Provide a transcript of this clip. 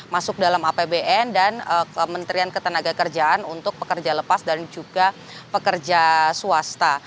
masuk dalam apbn dan kementerian ketenaga kerjaan untuk pekerja lepas dan juga pekerja swasta